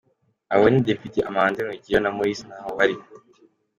Abo ni Depite Amandin Rugira na Maurice Ntahobari.